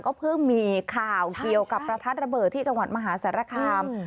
เพิ่งมีข่าวเกี่ยวกับประทัดระเบิดที่จังหวัดมหาสารคาม